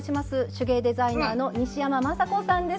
手芸デザイナーの西山眞砂子さんです。